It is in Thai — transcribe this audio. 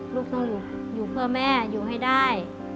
ลูกต้องอยู่เพื่อแม่อยู่ให้ได้